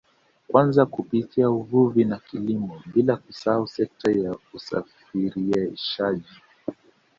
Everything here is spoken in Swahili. Kwanza kupitia uvuvi na kilimo bila kusahau sekta ya usafirishaji